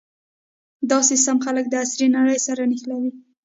دا سیستم خلک د عصري نړۍ سره نښلوي.